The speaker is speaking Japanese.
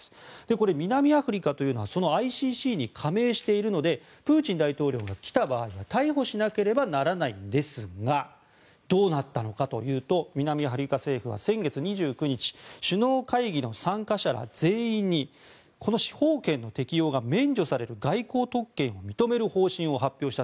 これ、南アフリカというのはそのＩＣＣに加盟しているのでプーチン大統領が来た場合は逮捕しなければならないんですがどうなったのかというと南アフリカ政府は先月２９日首脳会議の参加者ら全員にこの司法権の適用が免除される外交特権を認める方針を発表した。